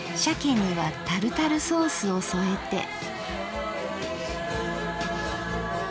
鮭にはタルタルソースを添えて。